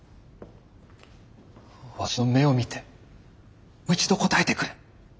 私の目を見てもう一度答えてくれ。